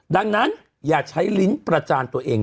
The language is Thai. ดังนั้นอย่าใช้ลิ้นประจานตัวเอง